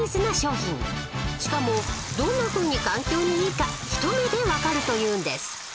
［しかもどんなふうに環境にいいか一目で分かるというんです］